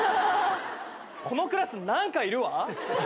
このクラス何かいるわ。